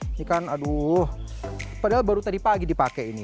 ini kan aduh padahal baru tadi pagi dipakai ini